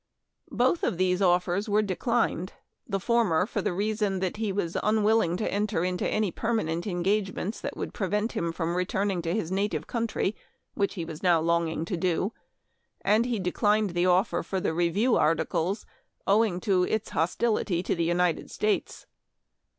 Both of these offers were declined, the former for the reason that he was unwilling to enter into any permanent engagements that would prevent him from returning to his native country, which he was now longing to do ; and he declined the offer for the Review articles, owing to its hostility to the United States.